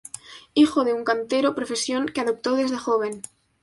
Hijo de un cantero, profesión que adoptó desde joven.